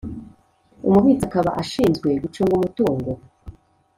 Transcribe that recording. Umubitsi akaba ashinzwe gucunga umutungo